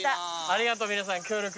ありがとう皆さん協力。